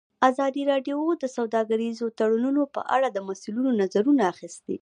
ازادي راډیو د سوداګریز تړونونه په اړه د مسؤلینو نظرونه اخیستي.